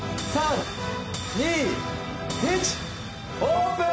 オープン！